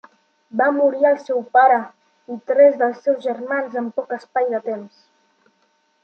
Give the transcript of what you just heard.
Va morir el seu pare i tres dels seus germans en poc espai de temps.